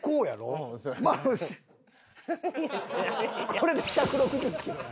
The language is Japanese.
これで１６０キロや。